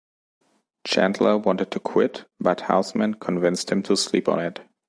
Chandler wanted to quit, but Houseman convinced him to sleep on it.